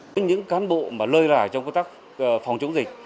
với những cán bộ mà lơ là trong công tác phòng chống dịch